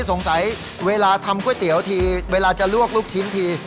สงสัยเวลาทำก๋วยเตี๋ยวทีเวลาจะลวกลูกชิ้นที